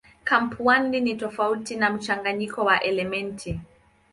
Kampaundi ni tofauti na mchanganyiko wa elementi.